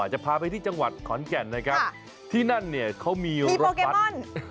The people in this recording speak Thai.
เราจะพาไปที่จังหวัดขอนแก่นนะครับที่นั่นเขามีรถบัสมีโปเกมอน